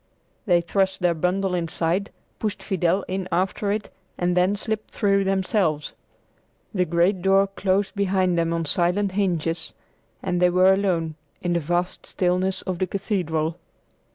They thrust their bundle inside, pushed Fidel in after it, and then slipped through themselves. The great door closed behind them on silent hinges and they were alone in the vast stillness of the cathedral.